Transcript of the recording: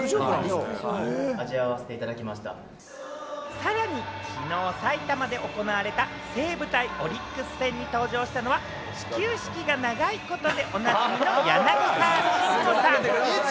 さらに昨日、埼玉で行われた西武対オリックス戦に登場したのは始球式が長いことでおなじみの柳沢慎吾さん。